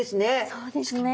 そうですね。